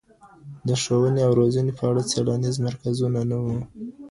د ښوونې او روزنې په اړه څېړنیز مرکزونه نه وو.